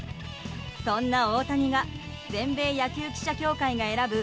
そんな大谷が全米野球記者協会が選ぶ